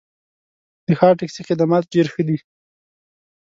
د ښار ټکسي خدمات ډېر ښه دي.